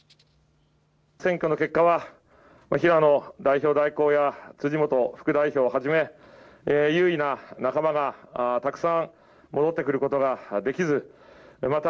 選挙の結果は代表代行や辻元副代表をはじめ有為な仲間がたくさん戻ってくることができずまた